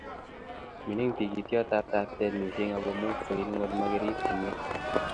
Mining tikityot ab taptet mising akomuch koil ngot makirip komye